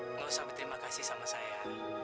nggak usah berterima kasih sama saya